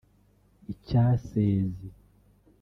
Icyasezi